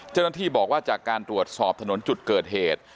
เจ้าหน้าที่บอกว่าจากการตรวจสอบถนนจุดเกิดเหตุ